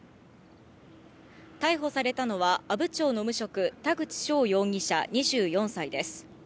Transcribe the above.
逮捕されたのは、阿武町の無職、田口翔容疑者２４歳です。